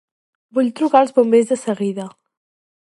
Vull trucar als bombers de seguida.